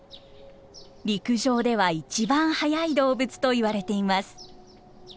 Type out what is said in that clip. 陸上では一番速い動物といわれています。